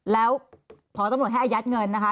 แล้วพอตำรวจให้อายัดเงินนะคะ